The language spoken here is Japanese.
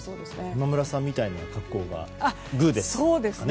今村さんみたいな格好がグーでした。